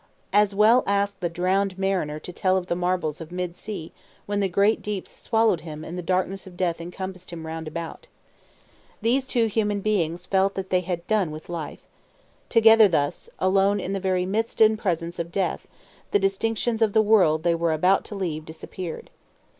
As well ask the drowned mariner to tell of the marvels of mid sea when the great deeps swallowed him and the darkness of death encompassed him round about. These two human beings felt that they had done with life. Together thus, alone in the very midst and presence of death, the distinctions of the world they were about to leave disappeared.